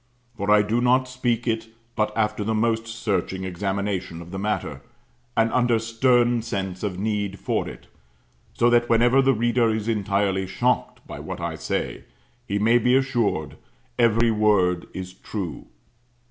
For I do not speak it but after the most searching examination of the matter, and under stern sense of need for it: so that whenever the reader is entirely shocked by what I say, he may be assured every word is true.